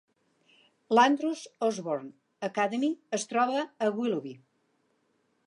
L'Andrews Osborne Academy es troba a Willoughby.